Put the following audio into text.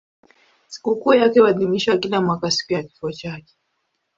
Sikukuu yake huadhimishwa kila mwaka siku ya kifo chake.